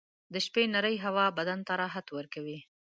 • د شپې نرۍ هوا بدن ته راحت ورکوي.